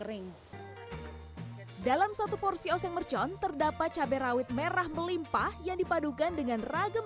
kering dalam satu porsi oseng mercon terdapat cabai rawit merah melimpah yang dipadukan dengan ragam